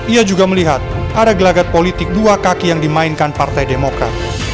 ia juga melihat ada gelagat politik dua kaki yang dimainkan partai demokrat